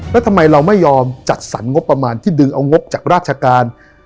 แล้วทำไมเราไม่ยอมจัดสรรงบประมาณที่ดึงเอางบจากราชการ